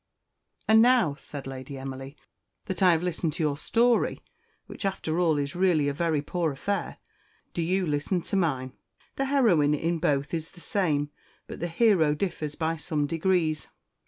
_ "AND now," said Lady Emily, "that I have listened to your story, which after all is really a very poor affair, do you listen to mine. The heroine in both is the same, but the hero differs by some degrees.